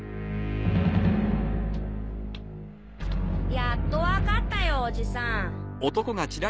やっとわかったよおじさん。